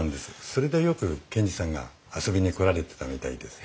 それでよく賢治さんが遊びに来られてたみたいです。